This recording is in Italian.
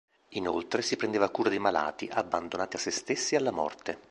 Inoltre, si prendeva cura dei malati, abbandonati a se stessi e alla morte.